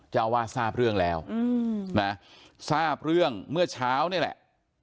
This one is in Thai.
เจ้าวาดทราบเรื่องแล้วนะทราบเรื่องเมื่อเช้านี่แหละ